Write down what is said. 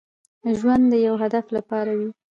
ژوند د يو هدف لپاره وي.